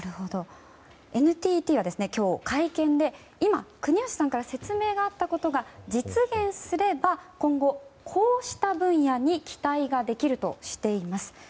ＮＴＴは今日、会見で今、国吉さんから解説があったことが実現すれば今後、こうした分野に期待ができるとしています。